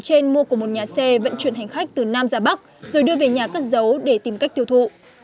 trên mua của một nhà xe vận chuyển hành khách từ nam ra bắc rồi đưa về nhà cất giấu để tìm cách tiêu thụ